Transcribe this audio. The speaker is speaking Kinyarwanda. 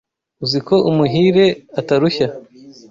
Uzi ko umuhire atarushya